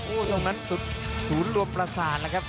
โอ้โหนั่นมันศูนย์รวมประสานนะครับ